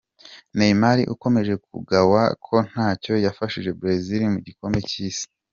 Neymar ukomeje kugawa ko ntacyo yafashije Brazil mugikombe cy’isi.